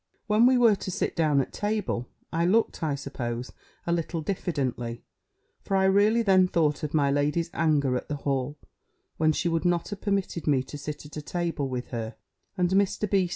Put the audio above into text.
When we were to sit down at table, I looked, I suppose, a little diffidently: for I really then thought of my lady's anger at the Hall, when she would not have permitted me to sit at table with her; and Mr. B.